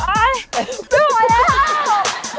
ไม่ไหวเว้ย